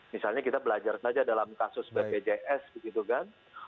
misalnya kita belajar saja dalam kasus bpjs begitu kan